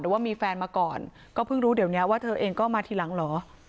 ว่ามีแฟนมาก่อนก็เพิ่งรู้เดี๋ยวนี้ว่าเธอเองก็มาทีหลังเหรอ